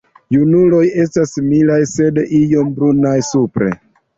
Junuloj estas similaj sed iom brunaj supre.